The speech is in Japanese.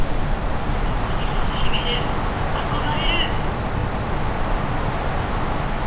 そこに痺れる憧れるぅ！！